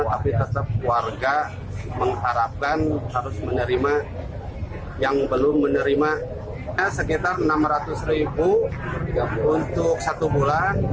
harus menerima yang belum menerima sekitar rp enam ratus untuk satu bulan